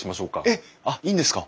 えっ！あっいいんですか？